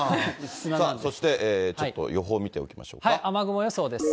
さあそしてちょっと予報を見てお雨雲予想です。